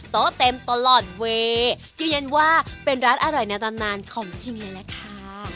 ต่อเต็มตลอดเวยืนยันว่าเป็นร้านอร่อยในตำนานของจิมเลยแล้วค่ะ